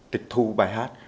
tịch thu bài hát